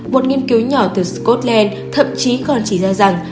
một nghiên cứu nhỏ từ scotland thậm chí còn chỉ ra rằng